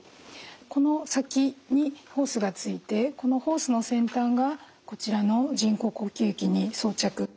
この先にホースがついてこのホースの先端がこちらの人工呼吸器に装着。